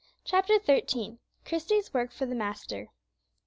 '" CHAPTER XIII. CHRISTIE'S WORK FOR THE MASTER.